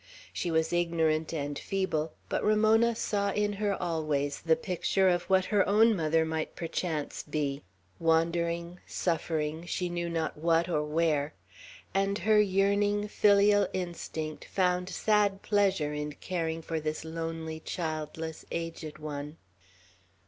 She was ignorant and feeble but Ramona saw in her always the picture of what her own mother might perchance be, wandering, suffering, she knew not what or where; and her yearning, filial instinct found sad pleasure in caring for this lonely, childless, aged one.